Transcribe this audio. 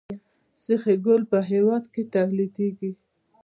سیخ ګول په هیواد کې تولیدیږي